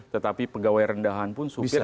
tetapi pegawai rendahan pun supir